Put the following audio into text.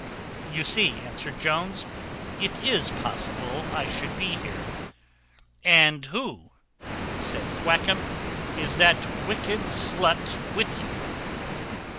"You see," answered Jones, "it is possible I should be here." "And who," said Thwackum, "is that wicked slut with you?"